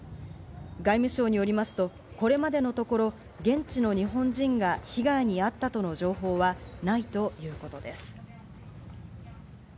外務省によりますと、これまでのところ、現地の日本人が被害に遭ったとの情報はないということです。